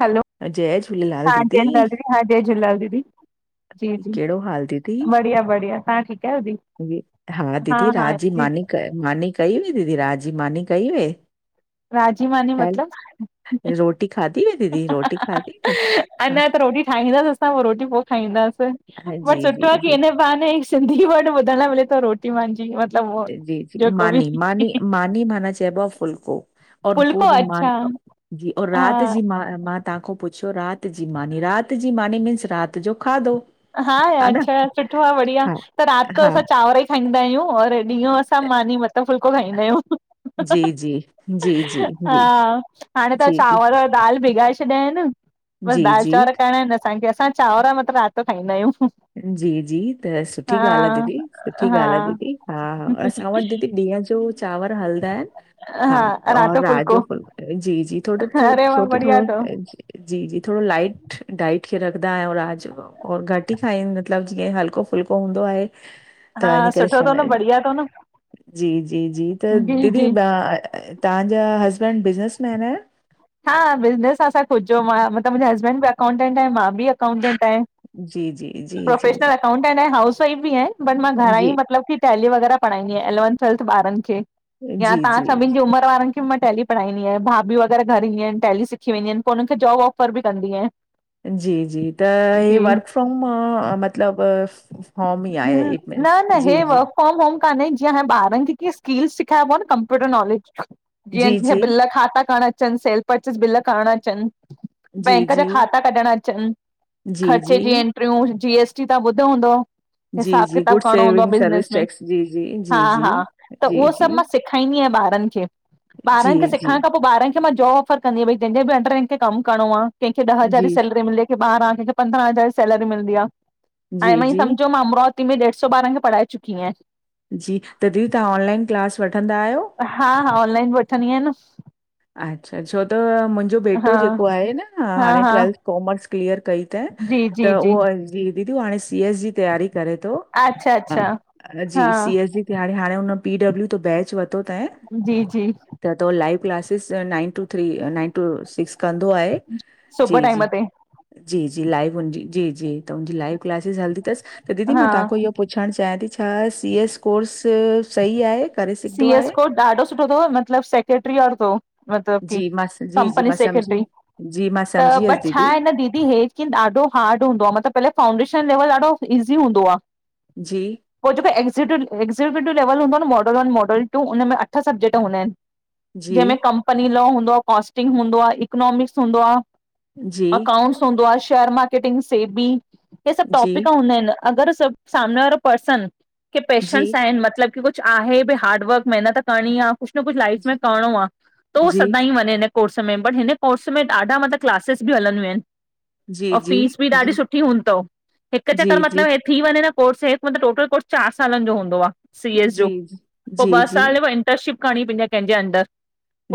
हलो अ जय झूलेलाल हा जय दीदी झूलेलाल हा जय झूलेलाल दीदी, जी जी कहिड़ो हाल दीदी? बढ़िया बढ़िया ता ठीकु आहियो दी? हा दीदी हा राजी जी जी। मानी खैर मानी कई हुई दीदी, राजी मानी कई हुई राजी मानी हैल मतिलब? रोटी खाधी हुई दीदी रोटी खाधी हुई? हा अञा त रोटी ठाहींदसि, असां पोइ रोटी पो खाईंदासीं हा, जी पर सुठो जी आहे की जी इन बहाने सिंधी वर्ड ॿुधण लाइ मिले थो रोटी [unintelligible] मांजी व जी जी मानी, मानी मानी माना चयबो आ फुलको और [unintelligible] फुल्को पूर म अच्छा जी, और रात जी हा मानी तहांखो पुछो राति जी मानी, राति जी मानी मीन्स राति जो खाधो। हा यारअच्छा सुठो आ बढ़िया हा त राति जो हा असां चांवर ई खाईंदा आहियूं और ॾींहं असां मानी व त फुल्को खाईंदा आहियूं जी जी जी जी जी जी हा हाणे त जी चांवर दाल भिगाए छॾिया आहिनि, बसि जी दाल जी चांवर करणा आहिनि। असांखे असां चांवर मतिलबु राति जो खाईंदा आहियूं जी, जी त सुठी ॻाल्हि आहे हा दीदी, सुठी हा ॻाल्हि आहे दीदी, हा हा असां वटि दीदी ॾींहं जो चांवर हलंदा आहिनि हा राति हाऔर रात फुल्को जो फुलको जी, जी थोड़ो थोड़ो अरे छो वाह त बढ़िया थोड़ो अथव जीजी थोरो लाईट डाइट खे रखदा आहियूं रात जोऔर घटि रोटी खाईन मतिलब जीअं हलको फुलको हूंदो आहे त हा इन करे सुठो अथव न समय बढ़िया अथव न जी, जी, जी त जी दीदी जी बां तव्हांजा हसबैंड बिज़नेसमैन आहिनि? हा बिज़नेस आ असां खुदजो मां मतिलबु मुंहिंजो हसबैंड बि अकाउंटेंट आहे मां बि अकाउंटेंट आहियाँ। जी, जी, जी, जी, प्रोफेशनल अकाउंटेंट आहें हाउस वाइफ बि आहें बट मां घरां ई जी, मतलब की टैली वग़ैरह पढ़ाईंदी आहियां इलेवन, ट्वेल्थ बारन खे या जी, जी, तव्हा सभनि जी उमिरि वारनि खे माँ टेलि पढ़ाईंदी आहियां भाभियूं वगेरह घर ईंदी आहिन टैली सिखी वेंदी आहिन पो उन्हन खे जॉब ऑफर बि कंदी आहियाँ। जी, जी, त हे वर्क फ्रोम मतिलब होम ही आहे न इट मींस न हे जी जी। वर्क फ्रोम होम कान्हे, जीअं हाण बारन खे कीअं स्किल सिखायबो आ न कंप्यूटर नॉलेज जीअं जी, केंह खे जी, बिल खाता करण अचनि सेल परचेस बिल करणु अचनि। जी, बैंक जा जी, खाता कढण अचनि, खर्चे जी एंट्रियूं, जी एस टी तव्हां ॿुधो हूंदो? जी, हिसाब जी, किताब गुड करणो हूंदो आ सेविंग बिजनेस सर्विस में टैक्स जी, जी, जी, हा, जी, हा त जी, उहो सभु जी, मां सि सेखाईंदी आहियां ॿारनि खे, ॿारनि खे जी, जी, सिखण खां पो ॿारनि खे मां जोब ऑफर कंदी आहियाँ भई जंहिंजे बि अंडर रही कम करणो केंहखे ॾह हज़ार जी, सेलरी मिले कहि खे ॿारां कहिखे पंद्रह हज़ार सैलेरी मिलदी आ। हाणे जी, माँ ई जी, सम्झो मां अमरावती में ॾेढ सॊ ॿारनि खे पढ़ाए चुकी आहिंया जी, त दीदी तव्हां ऑनलाइन क्लास वठंदा आहियो? हा, हा ऑनलाइन बि वठंदी आहियां न। अच्छा छो त मुंहिंजो बेटो हा जेको आहे न हा हाणे हा ट्वैेल्थ कॉमर्स क्लिअर कई त, जी त जी जी उहो जी दीदी उहो हाणे सी एस जी तयारी करे थो अच्छा हा, अच्छा हा जी सी एस जी की हाणे हाणे हुन पी डब्ल्यू त बैच वरितो थए जी जी त तो live class six, nine two three, nine two six, कंदो आहे सुबुह जी टाइम जी ते जी, जी लाइव हुनजी जी, जी त हुनजी लाइव क्लासेिस हलदी अथसि त दीदी हा मां तव्हांखो इहो पुछणु चाहियां थी छा सी एस कोर्स सही आहे? करे सघंदो सीएस आहे कोर्स ॾाढो सुठो अथव मतलबु सेक्रेटरी वारो तव। मतलब की जी मां स जी जी कंपनी मां सम्झी सेक्रेटरी वियमि जी मां त सम्झी वियसि बट छा दीदी आहे न दीदी हे लेकिन ॾाडो हार्ड हूंदो आ मतलब पहले फाउंडेशन लेवल ॾाढो ईज़ी हूदो आ। जी। पो जेको एक्जीक्यूटिव एकजीक्यूटिव लेवल हूंदो न मॉडल वन मॉडल टू उन में अठ सब्जेक्ट हूंदाआहिंन। जी जंहिंमें कंपनी लॉ हूंदो आ, कॉस्टिंग हूंदो आ, इकनॉमिक्स हूंदो आ। जी अकाउंट्स हूंदो आ, शेयर मार्केटिंग, सेबी, हे सभु जी टॉपिक हूंदा आहिनि। अगरि सभु सामने वारो पर्सन खे जी पेशंस आहिनि मतलब की कुझ आहे भई हार्डवर्क महिनत करणी आ कुझु न कुझु लाइफ में करिणो आ त उहो जी सदाईं वञे कोर्स में बट हिन कोर्स में ॾाढा मतलब क्लासेिस बि हलंदियूं आहिनि। जी जी जी और फीस बि ॾाढी जी सुठी हूंदी थव हिकु चक्कर जी जी मतिलबु हे थी वञे न कोर्स हे मतलबु टोटल कोर्स चारि सालनि जो हूंदो आ। सी एस जो। जी जी। पो जी ॿ जी। साल इंटर्नशिप करणी पवंदी कंहिंजे अंदरि,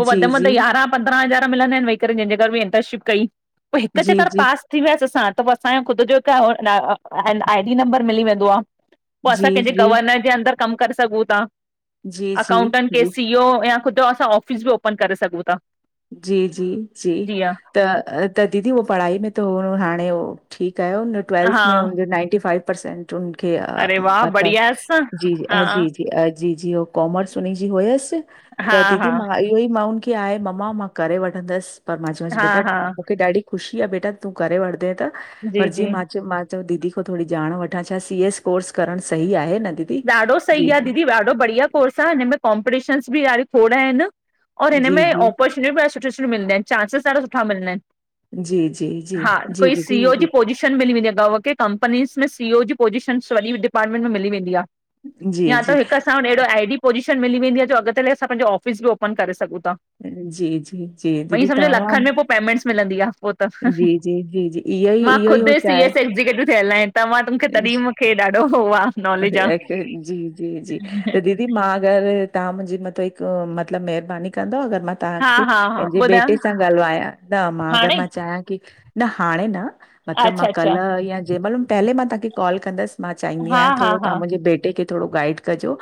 पोइ वधि जी, वधि यारहां पंधरा हजार मिलंदा आहिंन वेही करे जहिंजे घर इनतर्नशिप कयी, पोइ हिक जी, चकर जी, पास थी वियसि असां, त पो असांयों ख़ुदि जो हिकु [unintelligible] आई डी नंबर मिली वेंदो आ। पो असां जी, कंहिंजे जी, गवर्नर जे अंदरुि कमु करे सघूं ता। जी, जी, अकाउंटेंट के जी, सीओ या ख़ुदि असां ऑफिस बि ओपन करे सघूं ता। जी जी जी। त, त दीदी हो पढ़ाई में त हाणे उह, ठीकु आयो न। ट्वेल्थ हा में हूनखे नाइंटी फाइव परसेंट उनखे, अरे वाह मतलबु बढ़िया असां जी हा जी जी अ जी जी, उ कॉमर्स उन जी हुयसि, हा त दीदी हा मां इहो ई मां उनखे आहे मां, मां करे वठंदंसि, पर मां चयों मासि, हा बेटा हा हा मूंखे ॾाढी ख़ुशी आ बेटा तूं करे वठदे त जी पर जी जीअं मां चयो मां चयोम, दीदी खां थोरी ॼाण वठां छा सी एस कोर्स करणु सही आहे न दी ॾाढो सही आ दीदी ॾाढो बढ़िया कोर्स आ, हिनमें कॉम्पिटीशनस बि ॾाढी खोढ आहिन। और जी, हिनमें जी। ऑपॉर्चुनि ॿी ॾा सुठी सुठी मिलंदी आहिनि, चांसिस ॾाढा सुठा मिलंदा आहिनि। जी, जी, जी, हा, जी कोई सीओ जी दीदी, पोजी शन मिली वेंदी आ, कव खे कंपनींज में सीओ जी पोज़ीशनस वॾी डिपार्टमेंट में मिली वेंदी आ। जी, जी, या त जी, हिकु असां वटि अहिड़ो आई डी पोज़ीशन मिली वेंदी आ, जो अॻतले असां पंहिंजो ऑफिस बि ओपन करे सघूं ता। जी, जी, जी वई दीदी सम्झो, तमामु लखनि में पो पेमेंट्स मिलंदी आ, पो त जी, जी, जी, जी, इहो ई मां इहो ई हो ख़ुदि सी चाहे एस एक्ज़ीक्युटिव थियल आए तं मां, तॾहिं जी, मूंखे ॾाढो हो आ, और नॉलेज आ। एक- जी जी जी दीदी मां अगरि, तव्हां मुंहिंजे मथां हिकु, मतिलबु महिरबानी कंदव अगरि मां हा तांखें हा हा पंहिंजे ॿुधायो बेटे न सां ॻाल्हवया, न मां अगरि हाणे मां चाहियां की न हाणे न, मतिलबु मां अच्छा अच्छा कल्ह, या जंहिं महिल, पहिले मां तव्हांखे कॉल कंदस मां चाहींदी हा आहियां, हा थोङो हा तव्हां मुंहिंजे बेटे खे थोङो गाइड कजो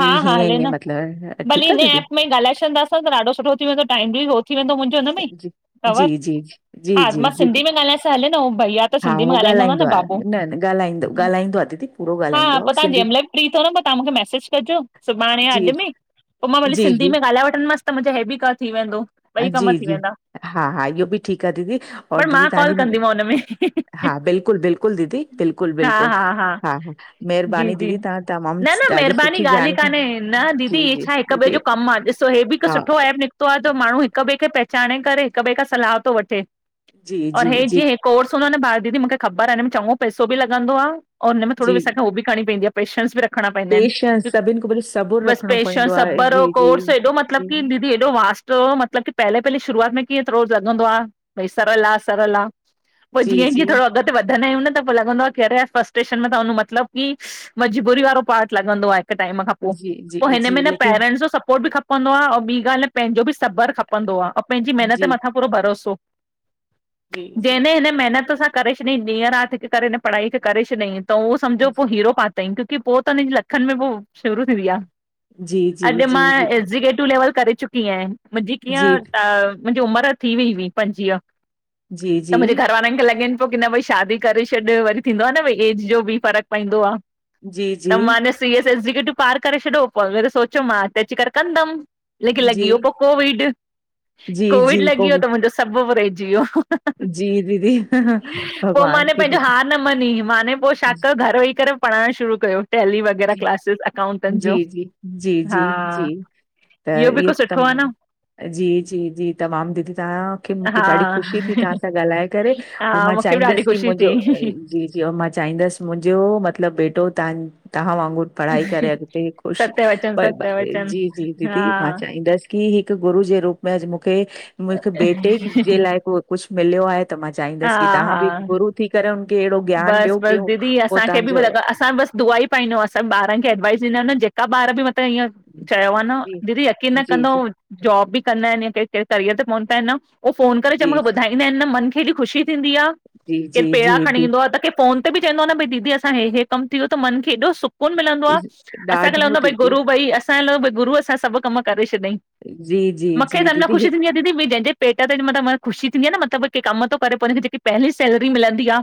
हा हा हीअं हले हीअं न, मतिलबु भली ठीकु हिन आहे दीदी एप में इ ॻाल्हाए छॾंदासीं त ॾाढो सुठो थी वेंदो, टाइम बि हो थी वेंदो मुंहिंजो हुन में ई, जी, कवर, जी, जी, जी, हा जी मां सिंधी दीदी में ॻाल्हायांस त हले न भईया त त हा सिंधी हो में ॻाल्हाईंदो हुन न आहे, बाबू, न ॻाल्हाईंदो ॻाल्हाईंदो आहे दीदी पूरो ॻाल्हाईंदो हां, आहे पो उहो तां सिंधी जंहमेल फ्री थो न, पो तां मूखे मेसेज कर चो, सुभाणे या जी, अॼु में, पो मां भली जी, सिंधी जी, में ॻाल्हाए वठंदीमस, त मुंहिंजो हेभी क थी वेंदो ॿई कम जी थी जी, वेंदा हा हा इहो बि ठीकु आ दीदी, और पर दीदी मां कॉल तांजीं कंदीमांव हुन में हा बिल्कुलु बिल्कुलु दीदी, बिल्कुलु बिल्कुलु हा हा, जी मेरबानी जी दीदी तां तमामु न न ॾाढी सु महिरबानी ॻाल्हि ई काने, न दीदी छाए हिक ॿे दीदी जो कमु आ, ॾिसो हे बि हिकु हा सुठो एप निकतो आ त माण्हू हिक ॿिए खे पहचाने करे हिक ॿि खां सलाह तो वठे, जी, और जी, हे जी, जीअं हे कोर्स हूंदो न ॿार दीदी मूंखे ख़बर आ, हिन में चञो पैसो ॿि लगंदो आ, और हीन में थोङो जी सांखे हो ॿि करणी पवंदी आ पेशंस बि रखणा पइंदां आहिन। पेशेंस सभिनि खां पहिरीं सबुरु बस रखिणो पेशेंस, पवंदो आहे सबर ओ जी, जी, कोर्स हेएॾो मतलब जी, की दी एॾो वास्ट हो, मतलब की पहले पहले शुरूआत में कीअं थ्रोरज लॻंदो आ, भई सरल आ, सरल आ पोइ जी, जीअं जीअं जी, थोङो अॻिते वधंदा आहियूं न, त पो लॻंदो आ कि, अरे यार फस्टेशन में तां वञु मतलबु की मजबूरी वारो पार्ट लॻंदो आहे हिक टाइम खां पो, जी, पो जी, हिन में जी न लेकिन पेरेंट्स जो सपोर्ट बि खपंदो आ, ओ ॿी ॻाल्हि न पंहिंजो बि सबर खप पंदो आ, ओं पेंजीं मेहनतअ जी मथा पूरो भरोसो, जी जैं जी न हिन मेहनत सां करे छॾियईं, ॾींंह राति हिकु करे हिन पढ़ाई खे करे छॾईं, त उहों समझो जी पो हीरो पा बैक खे पो तन लखन में वो शुरू थी वीया, जी जी जी अड् मां जी एगॼक्यटीव लेवल करे चुकी आयां। मुंहिंजी कीअं, त मुंहिंजी उमर थी वई हुई, पंजुवीह। जी जी जी त मुंजे घर जी वारेन खे लॻेनि पो की न भई, शादी करे छॾ, वरी थींदो आहे न भई, एज़ जो बि फ़र्क़ु पइंदो आ। त जी मांने सीएस एगॼक्यटीव पार करे छॾियो, पो अगर सोचुयुम मां हीते अची करे कंदम लेकि जी लॻीयो पो कोविड, जी कोविड जी लॻी वियो त मुंहिंजो सभबु रहिजी वियो। जी दीदी पोइ भॻवान माने खे पंहिंजो दीदी हार न मनी, माने पो छा कयो घर वेही करे पढ़ाइण शुरू कयो, टैेली वग़ैरह जी क्लासिस अकाउंटेंट जो जी, जी हा जी, जी, त इहो बि इहे हिकु त सुठो आ मा न जी जी जी तमामु दीदी, तव्हांखे मूंखे, हा ॾाढी ख़ुशी थी, तां सां ॻाल्हाए। करे हा मां मूंखे बि ॾाढी चाहींदस की ख़ुशी मुंहिंजो, थी जी जी, औ मां चाहींदस, मुंहिंजो मतलब बेटो, तव्हां तव्हां वांगुरु। पढ़ाई करे, अगते ख़ुश, सत्य वचन ॼी सत्य वचन -ॼी दीदी, मां हा चाहींदस। की हिक गुरू जे रूप में अॼ मूंखे हिकु बेटे जे लाइ को कुछ मिलियो आहे। त मां हा चाहींदस की, तव्हां हा बि गुरू थी करे, हुनखे अहिड़ो ज्ञान बस ॾियो की बस उ दीदी असांखे बि तव्हांजो। लॻा असां बस दुआई पाईंदव असां बारन खे एवाइस ॾंदायूं जेका ॿार ॿ मतब इअं, चयो आहे न जी, दीदी यकीन न जी, कंदो जी, जॉब बि कंदा आहिन या क कहिड़ करियर ते पहुता आहिन न। उहोफ़ोन करे जेमल जी, ॿुधाईंदा आहिन मन खे हेॾी ख़ुशी थींदी आ। जी, जी, जी, जी। असाखे फ़ोन ते बि चवंदो आहे न भई दीदी असां हे हे कम थी वयो त मन खे एॾो सुकुन- - सुकुन मिलंदो आ असांखे ॾाढो लगदो आहे भई दीदी गुरू भई असांखे लॻंदो भई गुरू असां सभ कम करे छॾियईं। जी, जी, मूंखे जी त अना दीदी ख़ुशी थीदिं आ। दीदी ॼहिंजे पेट ते मतब ख़ुशी थींदी न मतब के कम थो करे हुनखे ॼेकी पहली सैलेरी मिलंदी आ।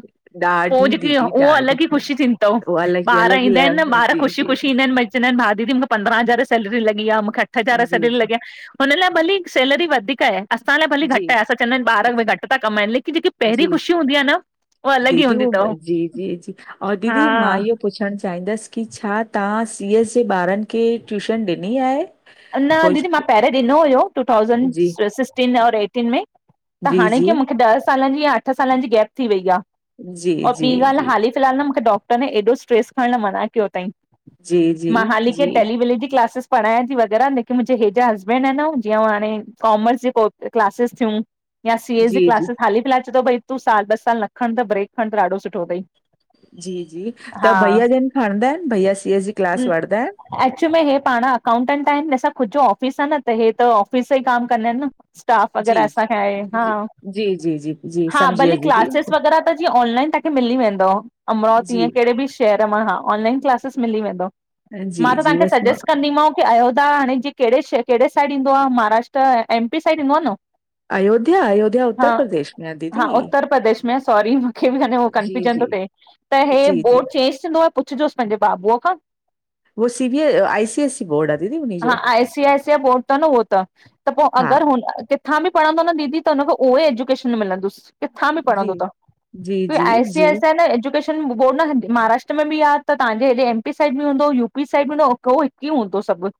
पो ॾाढी जेकी दीदी उहो ॾाढी अलग ई ख़ुशी उहो थीदिं तव अलॻि ई ॿार अलॻि ई ईंदा आहिन, न लेवल ॿार जी, ख़ुशी जी, ख़ुशी ईंदा आहिन मज़- - चवंदा भा दीदी मूंखे पंद्रह हज़ार सैलेरी लॻी आ मूंखे अठ हज़ार जी, सैलेरी जी, लगी आ। हुन लाइ भली सैलरी वधीक आहे। असां लाइ भली घट आहे जी, असां चवंदा आहिन ॿार बि घट था कमाइन, लेकिन ॼैकी पहिरीं जी ख़ुशी हूंदी आहे न। उहा अलॻि ई दीदी हूंदी उ तव। जी, जी, जी औ दीदी, मां हा इहो। मां पुछणु चाहींदस की छा तव्हां सी एस सी ॿारन खे ट्यूशन ॾिनी आहे। न कोई दीदी मां पहिरियों ॾिनो हुयो टू थाउसंड जी, सिक्सटीन और एटीन में। त जी, हाणे की जी, मूंखे ॾह सालन ॼी या अठ सालन ॼी गैप थी वई आ जी, जी, ओर ॿी ॻाल्हि जी, हाली। फिलहाल न मूंखे डॉक्टर न एॾो स्ट्रेस करण लाइ मना कयो तईं। जी, जी, मां जी, हाली के, टेली विली जी क्लासेस। पढ़ायां थी वग़ैरह लेकी मुंहिंजे हेॾा हसबैंड आहिनि जीअं हाणे कॉमर्स ॼी को क्लासेस थियूं। या सीएस ॼी जी, जी, क्लासिस हाल फिलहाल चए थो भई तूं साल ॿ साल न खण त ब्रेक खण त ॾाढो सुठो तई जी जी त भईया, जिन खणंदा आहिनि भईया, सी एस जी क्लास वठंदा आहिन। एक्चु में हे पाण अकाउंटेंट। टम सां ख़ुद जो ऑफिस आहे न त हे त ऑफिस ई काम कंदा आहिनि न। स्टाफ वग़ैरह जी, असांखे आहे हा। जी, जी, जी, जी, जी, हा समझी भली वियसि दीदी। क्लासेिस वग़ैरह त जीअं ऑनलाइन तव्हांखे मिली वेंदव अमरावती जी, ईअं कहिड़े ॿि? खैर मा हा ऑनलाइन क्लासस मिली विदंव जी, मा त जी, ताखें बसि मां सज्ॼैस कदिंमाव। अयोध्या हाणे ॼीअं कहिड़े श कहिड़े साइॾ ईंदो आहे महाराष्ट्र एमपी साइॾ ईंदो आहे न। अयोध्या अयोध्या उत्तर प्रदेश में आ दीदी। न सॉरी मूंखें ॿी हन जी, कनफ्यूॼन जी, पियो थे त हे जी, बोर्ॾ जी, चेंज थिंदो आ। पुछजोसि पंहिंजे बाबूअ खां। उवो सी ॿीए आई सी एस सी [unintelligible] दीदी हा जो? आइ सी आइसी आ बोर्ड त न उहो त त पोइ हा, अगरि हुन- किथा ॿि पढ़ंदो न दीदी त हुनखे उहो ई एजुकेशन मिलंदुसि। किथां बि जी, पढ़ंदो त, जी, क्यूं जी, आइ सी जी, एस ऐन एॼुकेशन बोर्ड न महाराष्ट्र में ॿि आ त त्हांजे हेॾे एमपी साइड बि हूंदो यूपी साइड ॿि हूंदो हिकु ई हूंदो सभु।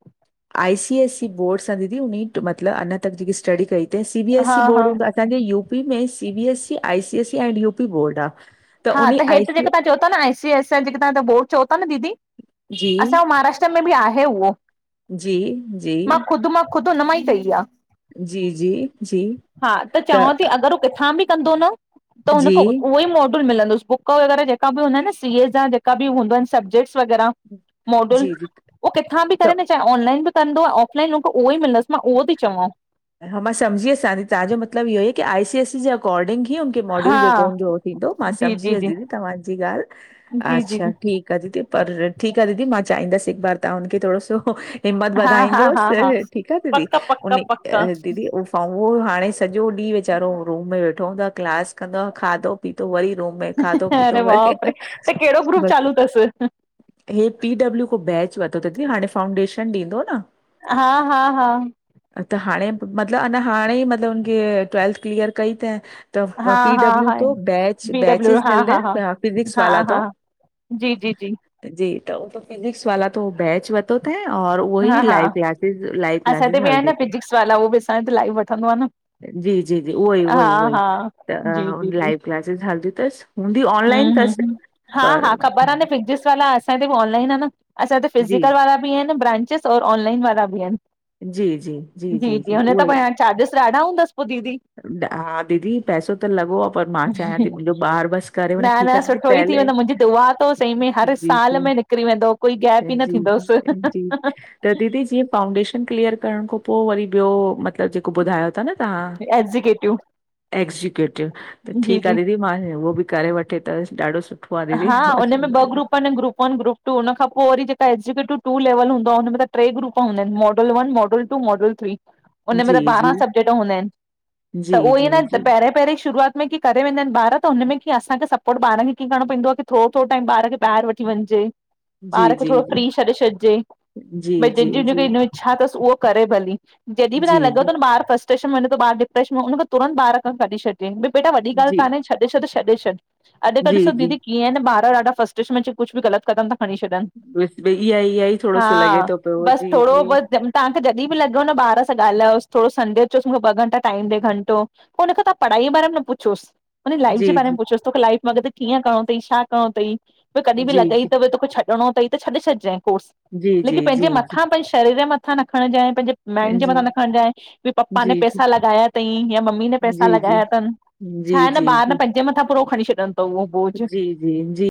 आई सीएसई बोर्ड सा दीदी उन मतिलॿ अञा तक ॼेकी स्टडी कई तई हा सीबीएसई हा बोर्ड हूंदा ताॼें यूपी में C B S E I C IC and UP board आ। हा त हेठ जेके तव्हां चओ था न आई सी आईसी ॼेके तव्हां बोर्ड चओ था न दीदी जी, असां महाराष्ट्र में ॿि आहे उहो। जी जी खुद हुनमाई तई आ। ॼी ॼी ॼी हा त चवां थी तअ अगरि हू किथां बि कंदो न, त हुन उहो ई मो मिलिंदुस बुक वग़ैरह जेका ॿि हूंदा आहिनि न सी ए जा जेका ॿि हूंदा आहिनि सबजेक्टस वग़ैरा मॉडल जी, जी, उवो किथां बि त करे न चाहे ऑनलाइन बि कंदो ऑफलाइन हुंखे उहो ई मिलंदुस, मां उहो थी चवांव हा मां समझी वियसि ताज़ी, तव्हांजो मतलबु इयो आ की आई सी एस ई जे अकॉर्डिंग ही हु हा [unintelligible] मां जी सम्झी जी वयसि जी दीदी तव्हांजी ॻाल्हि, जी जी अच्छा जी ठी करे ती पर, ठीकु आ दीदी मां चाहींदसि हिकु बार तव्हां हुनखे थोणो सो हिम्मत हा हा हा हा वधाइंजोसि ठीकु आह दीदी पक पक उने पक अ दीदी उहो फा हाणे सॼो ॾींहुं वीचारो रूम में वेठो हूंदो आ, क्लास कंदो आ खादो पीतो वरी रूम में, खादों पीतो अरे वरी बाप रे त कहिड़ो ग्रुप बस चालू अथसि हे पी डब्ल्यू को बैच वरितो तईं दीदी हाणें फाउंडेशन ॾींदो न। हा-हा-हा त हाणें, मतिलबु अञा हाणें ई मतलबु उनखे ट्वेल्थ क्लिअर कई त त हा पी हा डब्ल्यू हा तो बैच, बी डब्लू बैचिस हा मिलंदा हा हा ऐन, फिजिक्स हा वाला हा तो। जी जी जी जी, त उत फिजिक्स वाला तो बैच व रतो त और उवो हा ई हा लाइव क्लासिस, लाइव क्लासिस हलंदी तन। [unintelligible] उवो बि असांजो त लाइव वठंदो आ न। जी-जी-जी, उवोई उवोई हा उवोई हा जी जी त जी लाइव क्लासिस हलंदू तस। हम्म हम्म हा-हा ख़बर आ न फिजिक्स वाला चआति उवो ऑनलाइन आ न? असां त जी फिज़िकल वारा ॿि ईय ऐन न ब्रांचिस और ऑनलाइन वारा ॿि आहिनि। जी जी, जी जी जी हुन त उवे। प चार्जिस ॾाढा हूंदस पो दीदी? हा दीदी पैसो त लॻो आ, पर मां चाहियां थी मुंहिंजो ॿार बस करे वञे न-न ठीकु आहे दीदी सुठो ई थी पहले वेंदो मुंहिंजी दुआ तव सही में, हर जी साल जी में निकिरी वेंदो कोई गैप ई न जी थींदुसि। जी जी त दीदी, जीअं फाउंडेशन क्लिअर करण खां पोइ वरी ॿियो मतलबु जेको ॿुधायो था न तहां। एक्जीक्यूटिव। एक्ज़ीक्यूटिव, त ठीकु आ जी दीदी मा उहो ॿि करे वठे त ॾाढो सुठो। आहे हा, हुन में ॿ दीदी ग्रूप ऐन, ग्रूप वन, ग्रूप टू, हुन खां पो वरी जेका एक्जीक्यूटिव टू लेवल हूंदो आहे हुन में त ट्रे ग्रुप हूंदा आहिनि model one, model two, model three, उनहि में जी त जी ॿारहां सब्जेक्ट हूंदा आहिनि, जी त उहो ई आ जी ना त जी पहिरिं पहिरिं शुरुआत हुन में कि करे वेंदा आहिनि ॿार त हुन में किअं असां खे सपोर्ट ॿारनि हिअ करणो पवंदो आ की थोड़ो-थोड़ो टाइम ॿार खे ॿाहिरि वठी वञिजे। ॿार जी खे थोड़ो जी जी फ्री छॾे छॾजे जी भई जी जी जेंह्जी [unintelligible] छा अथसि उहो करे भली, जॾहिं बि तव्हां जी खे लॻेव जी थो न ॿार बसि डिप्रेशन वने थो ॿार डिप्रेशन में, हुन खां तुरंत ॿार खां कढी छॾजे भई बेटा वॾी ॻाल्हि जी काने छॾे छॾु- छॾे छॾु अॼु त जी ॾिसो जी दीदी कीअं आहे न ॿार ॾाढा फ्रस्ट्रेशन में अची कुझु बि ग़लति कदमु था खणी छॾनि, बसि भई इहा इहा ई थोरो सो लॻे हा थो पियो बस जी थोड़ो जी बस तव्हां खे जॾहिं बि लॻेव न ॿार सां ॻाल्हायोसि, थोड़ो संडे जो चओसि मूंखे ॿ घंटा टाइम ॾे, घंटो पो उन खां तव्हां पढ़ाईअ जे बारे में न पुछियोस। हुन जी लाइफ जे बारे में पुछियोसि, तोखे लाइफ में अॻिेथे कीअं करणो अथई, छा करणो अथई, तोखे कॾहिं बि जी लॻई जी त बि तोखे छ [unintelligible] अथई त छॾणो थई त छॾे छॾजांइ कोर्स जी जी लेकिन जी पंहिंजे जी मथां पंहिंजे शरीर जे मथां न खणजाए, पंहिंजे माइंड जे जी मथां न खणजाए की पपा ने जी जी जी पैसा लॻाया अथईं या मम्मी ने पैसा लॻाया जी अथनि जी, जी, जी जे मथां पूरो खणी छॾन था ऊओ जी, जी, जी